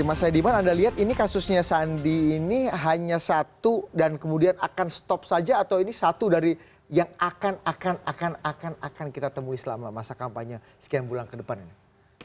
mas saidiman anda lihat ini kasusnya sandi ini hanya satu dan kemudian akan stop saja atau ini satu dari yang akan akan akan kita temui selama masa kampanye sekian bulan ke depan ini